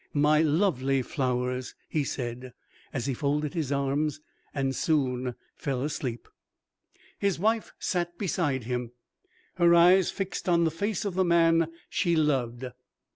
My lovely flowers!" he said, as he folded his arms, and soon fell asleep. His wife sat beside him, her eyes fixed on the face of the man she loved.